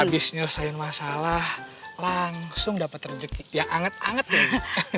abis nyelesain masalah langsung dapat rejeki yang anget anget be